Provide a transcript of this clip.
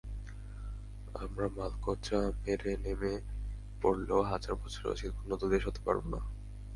আমরা মালকোঁচা মেরে নেমে পড়লেও হাজার বছরেও শিল্পোন্নত দেশ হতে পারব না।